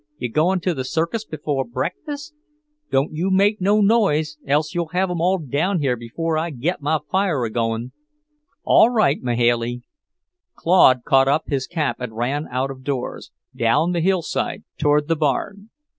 You goin' to the circus before breakfast? Don't you make no noise, else you'll have 'em all down here before I git my fire a goin'." "All right, Mahailey." Claude caught up his cap and ran out of doors, down the hillside toward the barn.